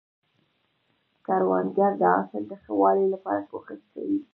کروندګر د حاصل د ښه والي لپاره کوښښ کوي